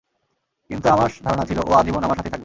কিন্তু আমার ধারণা ছিল ও আজীবন আমার সাথেই থাকবে।